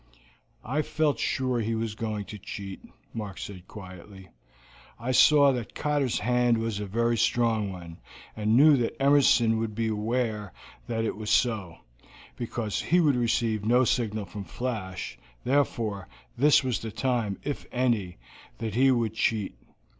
"I felt sure he was going to cheat," Mark said quietly; "I saw that Cotter's hand was a very strong one, and knew that Emerson would be aware that it was so, because he would receive no signal from Flash, therefore this was the time, if any, that he would cheat.